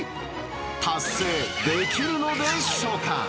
達成できるのでしょうか。